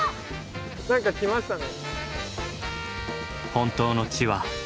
何か来ましたね。